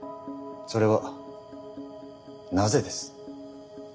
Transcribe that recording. それはなぜです？